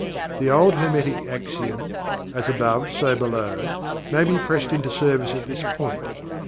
The old Hermetic axiom, "As above so below," may be pressed into service at this point.